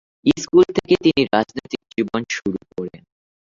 School থেকে তিনি রাজনৈতিক জীবন শুরু করেন।